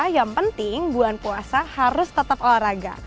yang penting bulan puasa harus tetap olahraga